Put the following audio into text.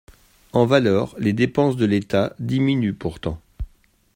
En valeur, les dépenses de l’État diminuent pourtant.